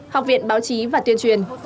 học viện báo chí và tuyên truyền